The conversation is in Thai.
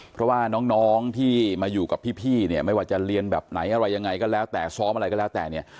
เพราะว่าน้องที่มาอยู่กับพี่เนี่ยไม่ว่าจะเรียนแบบไหนอะไรยังไงก็แล้วแต่ซ้อมอะไรก็แล้วแต่เนี่ย